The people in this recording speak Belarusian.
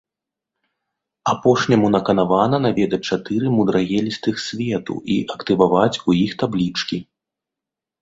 Апошняму наканавана наведаць чатыры мудрагелістых свету і актываваць у іх таблічкі.